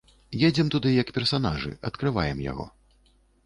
Едзем туды як персанажы, адкрываем яго.